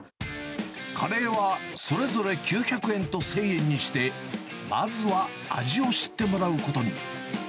カレーはそれぞれ９００円と１０００円にして、まずは味を知ってもらうことに。